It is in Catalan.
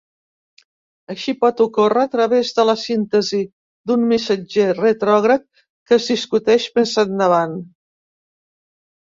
Això pot ocórrer a través de la síntesi d'un missatger retrògrad, que es discuteix més endavant.